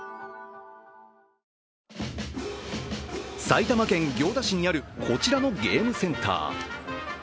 埼玉県行田市にある、こちらのゲームセンター。